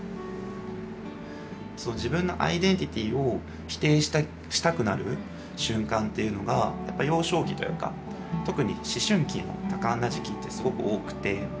自分のアイデンティティーを否定したくなる瞬間っていうのがやっぱり幼少期というか特に思春期の多感な時期ってすごく多くて。